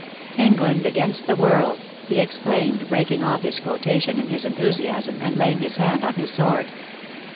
England against the world !" he exclaimed breaking off his quotation, in his enthusiasm, and laying his hand on his sword.